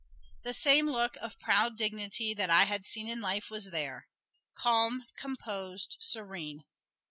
The same look of proud dignity that I had seen in life was there calm, composed, serene.